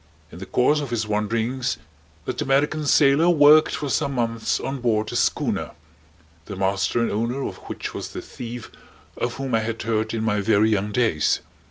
In the course of his wanderings that American sailor worked for some months on board a schooner, the master and owner of which was the thief of whom I had heard in my very young days.